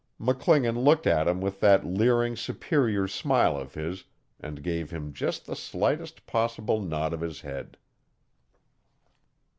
McClingan looked at him with that leering superior smile of his, and gave him just the slightest possible nod of his head.